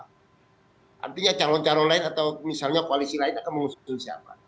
artinya calon calon lain atau misalnya koalisi lain akan mengusulkan siapa